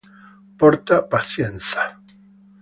Porta pazienza!